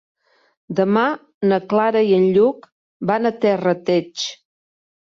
Demà na Clara i en Lluc van a Terrateig.